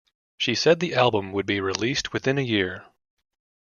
She said the album would be released within a year.